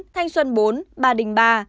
thanh xuân bốn bà đình ba